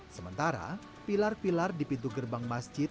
sementara pilar pilar di pintu gerbang masjid